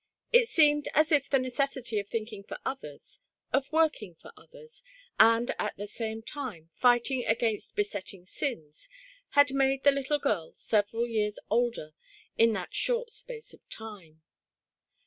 It seemed as if the necessity of thinking for others, of working for others, and at the same time fighting against besetting sins, had made the little girl several years older in that short space of time.